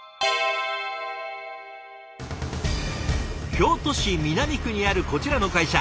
京都市南区にあるこちらの会社。